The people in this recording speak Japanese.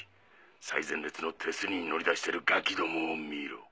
最前列の手すりに乗り出してるガキ共を見ろ。